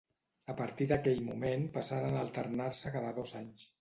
A partir d'aquell moment passaren a alternar-se cada dos anys.